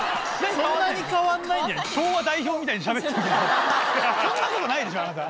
そんなでもないでしょあなた。